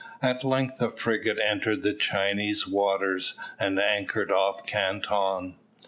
At length the frigate entered the Chinese waters, and anchored off Canton.